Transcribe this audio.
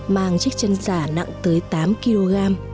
mang chiếc chân giả nặng tới tám kg